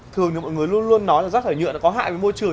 thường thì mọi người luôn luôn nói là rác thải nhựa nó có hại với môi trường